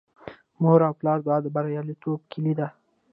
د مور او پلار دعا د بریالیتوب کیلي ده.